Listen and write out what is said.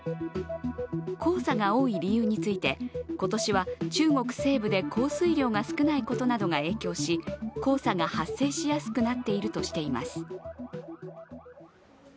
黄砂が多い理由について今年は中国西部で降水量が少ないことなどが影響し黄砂が発生しやすくなっているとしています。